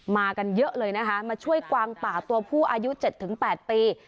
มากันเยอะเลยนะคะมาช่วยกว้างป่าตัวผู้อายุเจ็ดถึงแปดปี